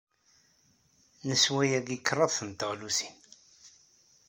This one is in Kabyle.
Neswa yagi kraḍt n teɣlusin.